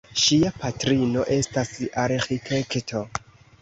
Ŝia patrino estas arĥitekto.